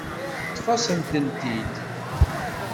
Teṭṭef-asen-ten-id.